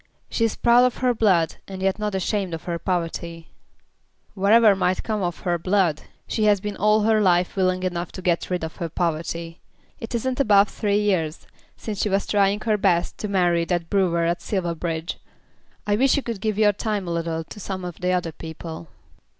She is proud of her blood and yet not ashamed of her poverty." "Whatever might come of her blood, she has been all her life willing enough to get rid of her poverty. It isn't above three years since she was trying her best to marry that brewer at Silverbridge. I wish you could give your time a little to some of the other people."